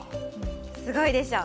すごいでしょ！